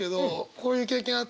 こういう経験あって。